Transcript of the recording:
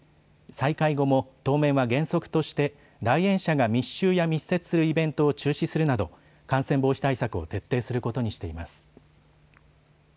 再開後も当面は原則として来園者が密集や密接するイベントを中止するなど感染防止対策を徹底することにしています。